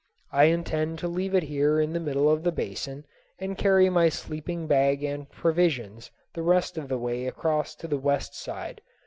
I intend to leave it here in the middle of the basin and carry my sleeping bag and provisions the rest of the way across to the west side.